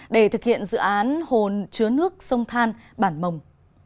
để thực hiện dự án hồn chứa nước sông than bản mồng